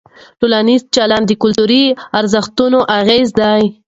ټولنیز چلند د کلتوري ارزښتونو اغېز دی.